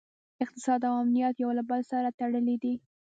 اقتصاد او امنیت یو له بل سره تړلي دي